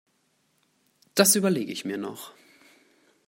Das überlege ich mir noch.